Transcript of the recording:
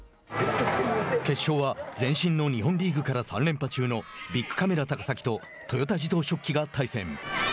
決勝は、前身の日本リーグから３連覇中のビックカメラ高崎と豊田自動織機が対戦。